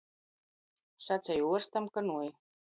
Saceju uorstam, ka nui.